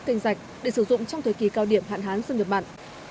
canh rạch để sử dụng trong thời kỳ cao điểm hạn hán xâm nhập mặn